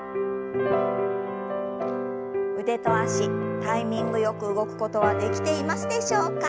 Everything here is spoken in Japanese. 腕と脚タイミングよく動くことはできていますでしょうか。